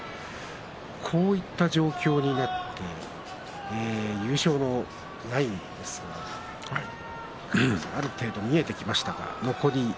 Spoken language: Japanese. こういった状況になって優勝のラインですがある程度、見えてきましたか？